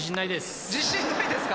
自信ないですか？